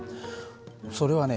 それはね